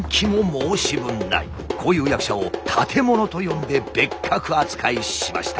こういう役者を立者と呼んで別格扱いしました。